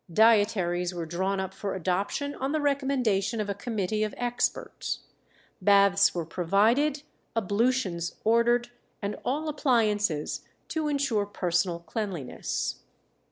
Dietaries were drawn up for adoption on the recommendation of a committee of experts. Baths were provided, ablutions ordered, and all appliances to insure personal cleanliness.